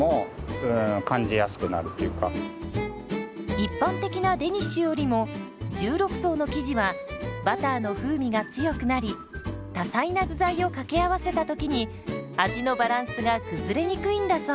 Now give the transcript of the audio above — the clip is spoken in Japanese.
一般的なデニッシュよりも１６層の生地はバターの風味が強くなり多彩な具材を掛け合わせた時に味のバランスが崩れにくいんだそう。